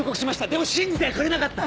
でも信じてはくれなかった。